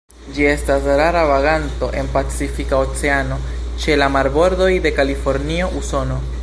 Ĝi estas rara vaganto en Pacifika Oceano ĉe la marbordoj de Kalifornio, Usono.